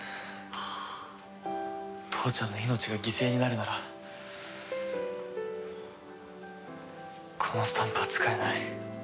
父ちゃんの命が犠牲になるならこのスタンプは使えない。